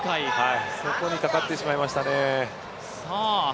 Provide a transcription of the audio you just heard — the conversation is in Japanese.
そこにかかってしまいましたね。